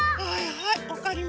はい！